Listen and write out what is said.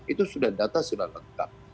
itu sudah data sudah lengkap